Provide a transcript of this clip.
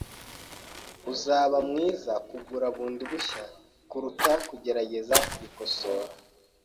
Uzaba mwiza kugura bundi bushya kuruta kugerageza kubikosora.